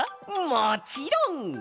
もちろん！